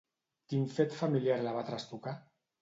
Quin fet familiar la va trastocar?